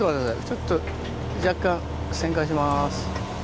ちょっと若干旋回します。